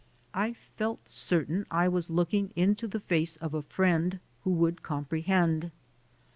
I felt certain I was looking into the face of a friend who would comprehend.